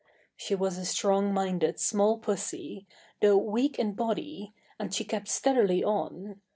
She was a strong minded small pussy, though weak in body, and she kept steadily on.